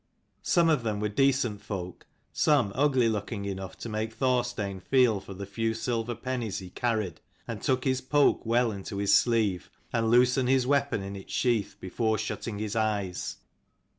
Some of them were decent folk, some ugly looking enough to make Thorstein feel for the few silver pennies he carried, and tuck his poke well into his sleeve, and loosen his weapon in its sheath, before shutting his eyes.